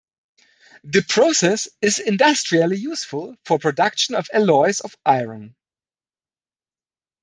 The process is industrially useful for production of alloys of iron.